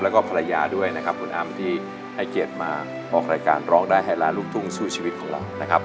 แล้วก็ภรรยาด้วยนะครับคุณอำที่ให้เกียรติมาออกรายการร้องได้ให้ล้านลูกทุ่งสู้ชีวิตของเรานะครับ